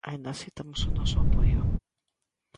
Aínda así temos o noso apoio.